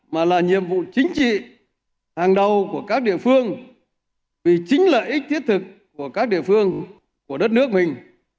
mà là nhiệm vụ chính trị hàng đầu của các địa phương vì chính lợi ích thiết thực của các địa phương của đất nước mình